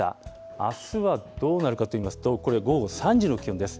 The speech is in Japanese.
あすはどうなるかといいますと、これ、午後３時の気温です。